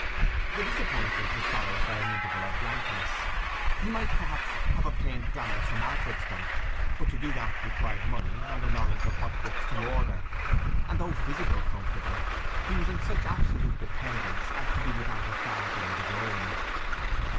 The disappointment was followed by an interval of blankness. He might, perhaps, have obtained grammars from Alfredston, but to do that required money, and a knowledge of what books to order; and though physically comfortable, he was in such absolute dependence as to be without a farthing of his own.